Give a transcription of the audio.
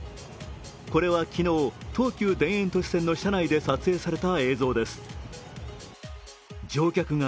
これは昨日、東急田園都市線の車内で撮影された映像です。